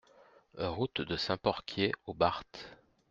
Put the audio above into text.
Route de Saint-Porquier aux Barthes